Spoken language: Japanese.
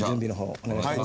お願いします。